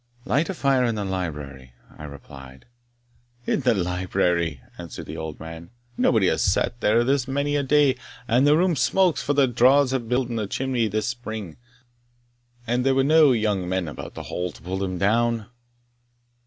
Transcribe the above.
"Light a fire in the library," I replied. "In the library!" answered the old man; "nobody has sat there this many a day, and the room smokes, for the daws have built in the chimney this spring, and there were no young men about the Hall to pull them down."